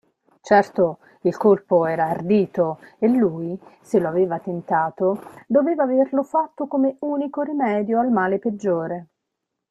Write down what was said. Certo il colpo era ardito e lui, se lo aveva tentato, doveva averlo fatto come unico rimedio al male peggiore.